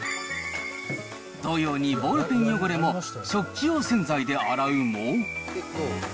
同様にボールペン汚れも、食器用洗剤で洗うも。